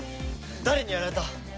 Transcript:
誰にやられた？